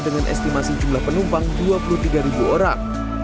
dengan estimasi jumlah penumpang dua puluh tiga orang